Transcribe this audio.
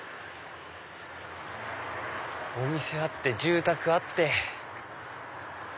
お店あって住宅あって。